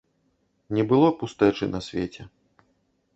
Не было пустэчы на свеце.